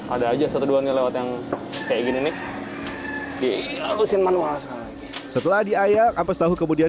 ada aja satu duanya lewat yang kayak gini nih dihalusin manual setelah diayak apes tahu kemudian